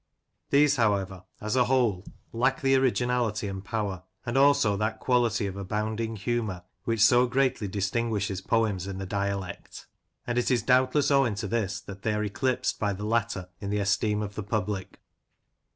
These, however, as a whole, lack the originality and power, and also that quality of abounding humour which so greatly distinguish his poems in the dialect ; and it is doubtless owing to this that they are eclipsed by the latter in the esteem of the public.